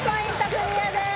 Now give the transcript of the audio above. クリアです